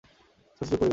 শশী চুপ করিয়া রহিল।